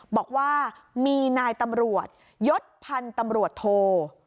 บอกว่ามีนายตำรวจยศพันธุ์ตำรวจโท